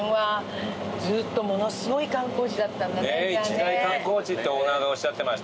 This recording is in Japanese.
一大観光地ってオーナーがおっしゃってましたからね